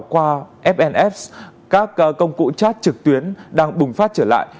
qua fns các công cụ chat trực tuyến đang bùng phát trở lại